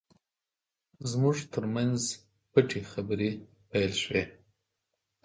زموږ ترمنځ پټې خبرې پیل شوې.